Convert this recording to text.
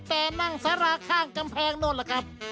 แต่นั่งสาราข้างกำแพงโน้นล่ะครับ